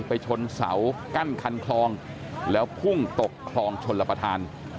ไปชนเสากั้นคันคลองแล้วพุ่งตกคลองชนรับประทาน